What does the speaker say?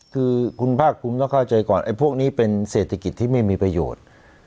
คือคุณภาคภูมิต้องเข้าใจก่อนไอ้พวกนี้เป็นเศรษฐกิจที่ไม่มีประโยชน์